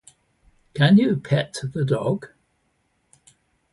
Can You Pet the Dog?